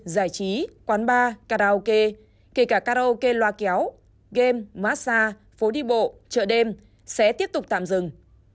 giải trí quán bar karaoke kể cả karaoke loa kéo game massage phố đi bộ chợ đêm sẽ tiếp tục tạm dừng